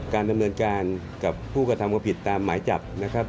การดำเนินการกับผู้กระทำผิดตามหมายจับ